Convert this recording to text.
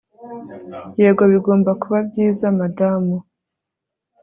Yego bigomba kuba byiza madamu